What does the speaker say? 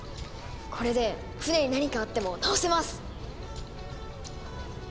これで船に何かあっても直せます！